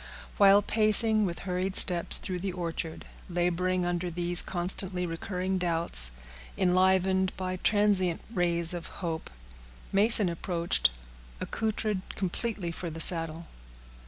While pacing, with hurried steps, through the orchard, laboring under these constantly recurring doubts, enlivened by transient rays of hope, Mason approached, accoutered completely for the saddle.